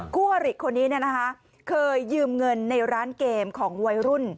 คู่อริคนนี้เคยยืมเงินในร้านเกมของวัยรุ่น